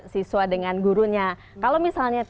siswa dengan gurunya kalau misalnya